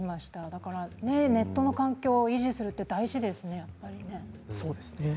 だからネットの環境を維持するって大事ですね。